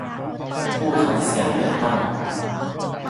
ผู้ขายเสียงเลือกตั้ง